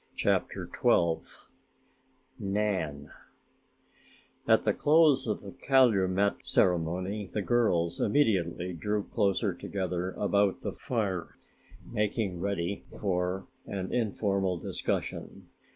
CHAPTER XII NAN At the close of the calumet ceremony the girls immediately drew closer together about the fire, making ready for an informal discussion.